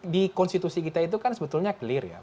di konstitusi kita itu kan sebetulnya clear ya